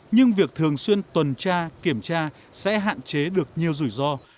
nhưng việc thường xuyên tuần tra kiểm tra sẽ hạn chế được nhiều rủi ro